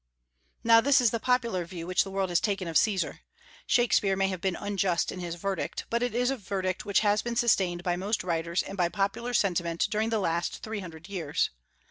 Now this is the popular view which the world has taken of Caesar. Shakspeare may have been unjust in his verdict; but it is a verdict which has been sustained by most writers and by popular sentiment during the last three hundred years.